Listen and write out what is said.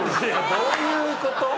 どういうこと？